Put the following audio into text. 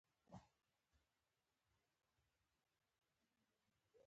د احمدشاه بابا له خوا نیول سوي فيصلي هوښیارانه وي.